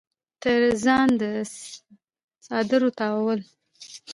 تر ځان د څادرنو تاوول